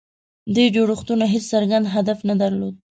دې جوړښتونو هېڅ څرګند هدف نه درلود.